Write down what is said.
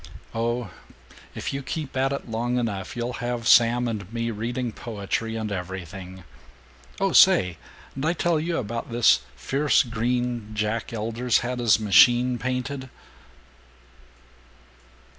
Oh, if you keep at it long enough you'll have Sam and me reading poetry and everything. Oh say, d' I tell you about this fierce green Jack Elder's had his machine painted?"